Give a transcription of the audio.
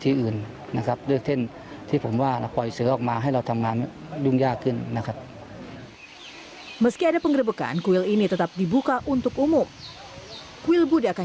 seperti lihat mereka memiliki kereta dan tubuh besar